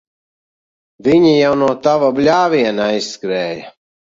Viņi jau no tava bļāviena aizskrēja.